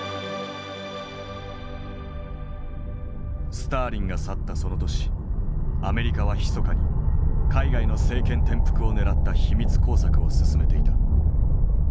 スターリンが去ったその年アメリカはひそかに海外の政権転覆をねらった秘密工作を進めていた。